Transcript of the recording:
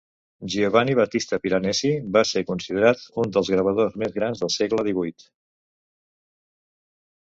Giovanni Battista Piranesi va ser considerat un dels gravadors més grans del segle XVIII.